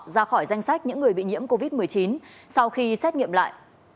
ra khỏi danh sách những người bị nhiễm covid một mươi chín sau khi xét nghiệm lại